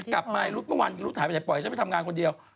กลับมารุ๊ดเมื่อวานรุ๊ดหายไปไหนปล่อยฉันไปทำงานคนเดียว